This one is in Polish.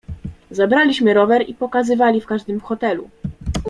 "Zabraliśmy rower i pokazywali go w każdym hotelu."